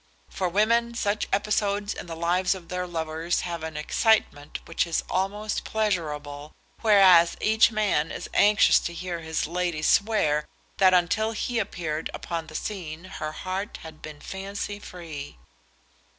For women such episodes in the lives of their lovers have an excitement which is almost pleasurable, whereas each man is anxious to hear his lady swear that until he appeared upon the scene her heart had been fancy free.